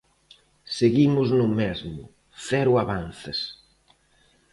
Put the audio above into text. Seguimos no mesmo: cero avances.